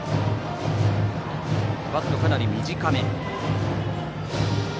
バット、かなり短め。